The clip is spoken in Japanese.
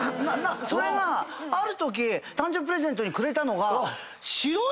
それがあるとき誕生日プレゼントにくれたのが。